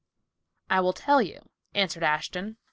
"I will tell you," answered Ashton.